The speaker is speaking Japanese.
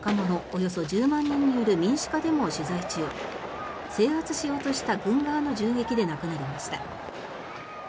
およそ１０万人による民主化デモを取材中制圧しようとした軍側の銃撃で亡くなりました。